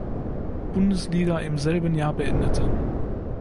Bundesliga im selben Jahr beendete.